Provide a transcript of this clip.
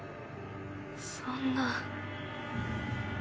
そんな。